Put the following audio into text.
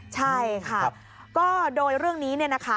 ใช่ค่ะก็โดยเรื่องนี้เนี่ยนะคะ